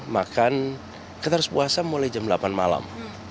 makan kita harus puasa mulai jam delapan malam